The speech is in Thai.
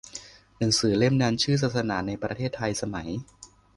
หนังสือเล่มนั้นชื่อ "ศาสนาในประเทศไทยสมัย"